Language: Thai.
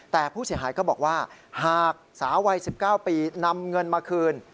แต่ผู้เสียหายก็บอกว่าหากสาววัย๑๙ปีนำเงินมาคืน